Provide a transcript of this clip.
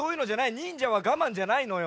忍者はがまんじゃないのよ。